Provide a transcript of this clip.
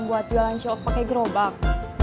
buat jualan cilok pake gerobak